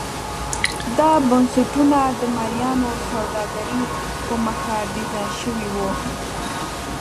دا بنسټونه د مریانو سوداګرۍ په موخه ډیزاین شوي وو.